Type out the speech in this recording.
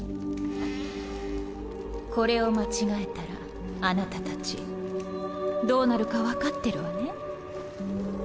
これを間違えたらあなたたちどうなるか分かってるわね。